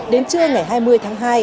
đến trưa ngày hai mươi tháng hai